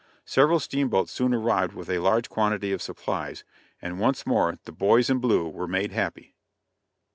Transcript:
Several steamboats soon arrived with a large quantity of supplies, and once more the "Boys in Blue" were made happy.